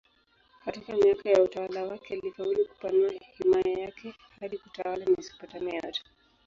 Katika miaka ya utawala wake alifaulu kupanua himaya yake hadi kutawala Mesopotamia yote.